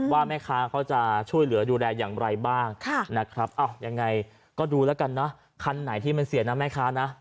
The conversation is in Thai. ว่าแม่ค้าเขาจะช่วยเหลือดูแลอย่างไรบ้างนะครับยังไงก็ดูแล้วกันนะคันไหนที่มันเสียนะแม่ค้านะ